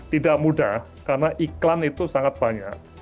tidak mudah karena iklan itu sangat banyak